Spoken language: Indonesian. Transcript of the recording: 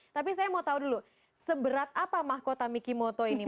tapi saya mau tahu dulu seberat apa mahkota mikimoto ini